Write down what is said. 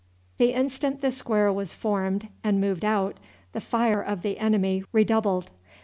The instant the square was formed and moved out the fire of the enemy redoubled.